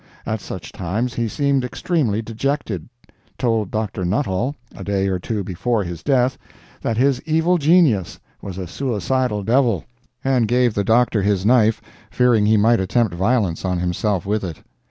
At such times he seemed extremely dejected; told Dr. Nuttall, a day or two before his death, that his "evil genius was a suicidal devil," and gave the Doctor his knife, fearing he might attempt violence on himself with it.